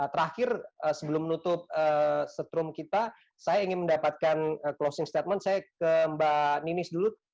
terakhir sebelum menutup setrum kita saya ingin mendapatkan closing statement saya ke mbak ninis dulu